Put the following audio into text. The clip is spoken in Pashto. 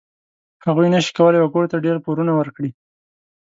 هغوی نشي کولای وګړو ته ډېر پورونه ورکړي.